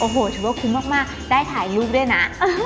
โอ้โหถือว่าคุ้มมากได้ถ่ายรูปด้วยนะ